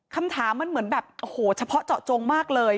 คำถามมันเหมือนแบบโอ้โหเฉพาะเจาะจงมากเลย